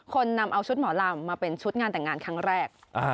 นำเอาชุดหมอลำมาเป็นชุดงานแต่งงานครั้งแรก